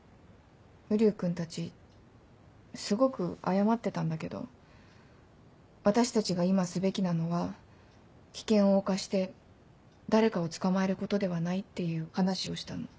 瓜生君たちすごく謝ってたんだけど私たちが今すべきなのは危険を冒して誰かを捕まえることではないっていう話をしたの。